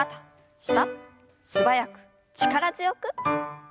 素早く力強く。